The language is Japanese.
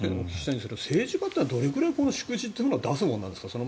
政治家というのはどれくらい祝辞というのを出すものなんですか？